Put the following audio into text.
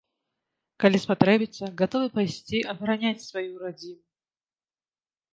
Калі спатрэбіцца, гатовы пайсці абараняць сваю радзіму.